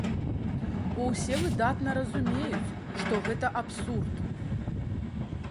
Бо ўсе выдатна разумеюць, што гэта абсурд.